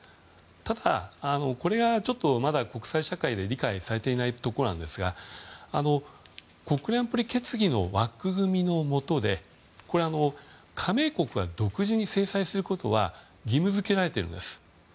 ただ、これはまだ国際社会で理解されていないところなんですが国連安保理決議の枠組みのもとで加盟国が独自に制裁することは義務付けられているんです。